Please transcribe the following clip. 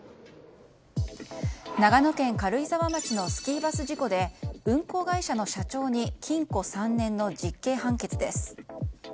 長野県軽井沢町のスキーバス事故で運行会社の社長に禁錮３年の実刑判決です。